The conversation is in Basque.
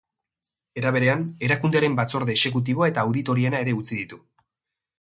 Era berean, erakundearen batzorde exekutiboa eta auditoriena ere utzi ditu.